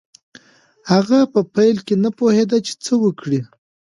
هغه په پیل کې نه پوهېده چې څه وکړي.